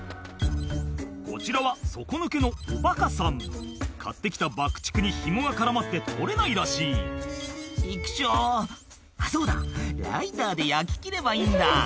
こちらは底抜けのおバカさん買って来た爆竹にヒモが絡まって取れないらしい「チクショあっそうだライターで焼き切ればいいんだ」